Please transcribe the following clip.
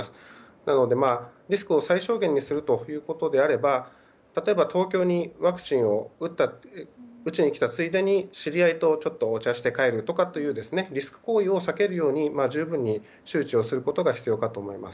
なので、リスクを最小限にするということであれば例えば東京にワクチンを打ちに来たついでに知り合いとお茶して帰るとかいうリスク行為を避けるよう十分に周知をすることが必要かと思います。